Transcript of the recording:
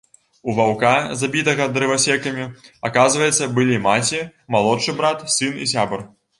У ваўка, забітага дрывасекамі, аказваецца, былі маці, малодшы брат, сын і сябар.